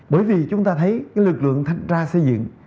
bởi vì chúng ta thấy lực lượng thanh tra xây dựng